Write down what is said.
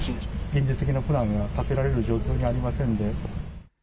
現実的なプランを立てられる状況にありませんので。